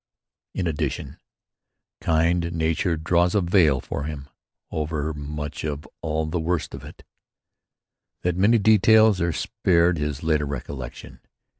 In addition, kind Nature draws a veil for him over so much of all the worst of it that many details are spared his later recollection.